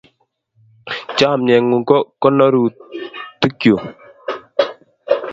Chamyengung ko konorutikyu